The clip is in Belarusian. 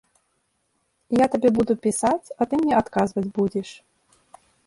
Я табе буду пісаць, а ты мне адказваць будзеш.